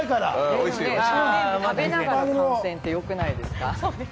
食べながら観戦って、よくないですか？